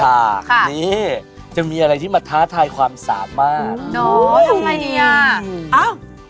อันน์จะไปที่อื่นอะไรที่มันดูแปลบ